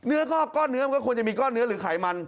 ก้อนเนื้อมันก็ควรจะมีก้อนเนื้อหรือไขมัน